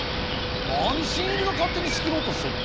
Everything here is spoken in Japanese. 何新入りが勝手に仕切ろうとしてんの？